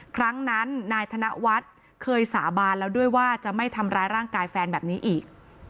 ครั้งนั้นนายธนวัฒน์เคยสาบานแล้วด้วยว่าจะไม่ทำร้ายร่างกายแฟนแบบนี้อีก